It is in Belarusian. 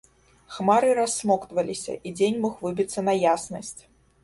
Хмары рассмоктваліся, і дзень мог выбіцца на яснасць.